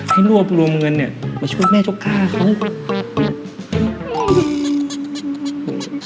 ให้รวบรวมเงินเนี่ยมาช่วยแม่ชกฆ่าเขา